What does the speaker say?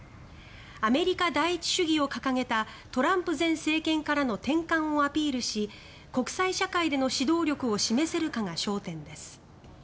アメリカ第一主義を掲げたトランプ前政権からの転換をアピールし、国際社会での指導力を示せるかが焦点です。